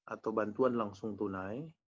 atau bantuan langsung tunai